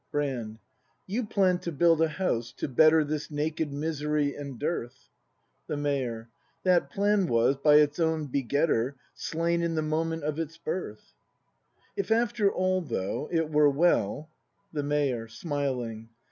Brand. You plann'd to build a house, to better This naked misery and dearth The Mayor. That plan was, by its own begetter, Slain in the moment of its birth. Brand. If after all though— it were well The Mayor. [Smiling.